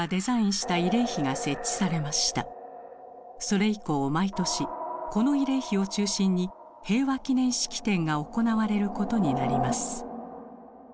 それ以降毎年この慰霊碑を中心に平和記念式典が行われることになります。